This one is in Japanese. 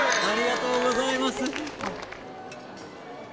ありがとうございます。